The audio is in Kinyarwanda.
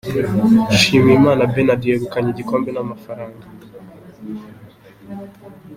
Nshimiyimana Bernard, yegukanye igikombe na , Rwf.